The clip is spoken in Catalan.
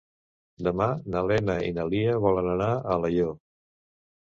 Demà na Lena i na Lia volen anar a Alaior.